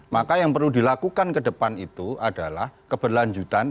maka yang perlu dilakukan ke depan itu adalah keberlanjutan